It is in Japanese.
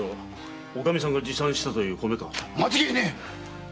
間違いねえ！